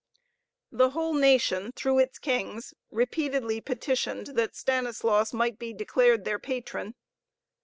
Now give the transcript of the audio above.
The whole nation, through its kings, repeatedly petitioned that Stanislaus might be declared their Patron.